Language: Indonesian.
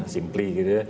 simply gitu ya